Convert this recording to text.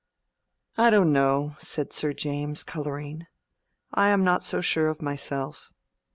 "I don't know," said Sir James, coloring. "I am not so sure of myself."